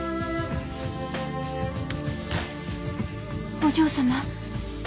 お嬢様？